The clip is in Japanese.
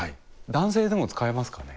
男性でも使えますかね。